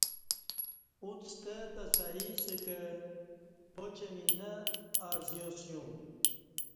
اُݩڅ ستہ تہ سہی کہ پاچیں می نہ اآزیا سیوم ۔